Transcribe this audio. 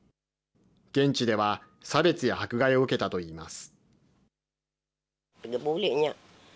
現地では差別や迫害を受けたといいます。